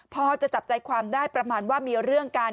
พอจะจับใจความได้ประมาณว่ามีเรื่องกัน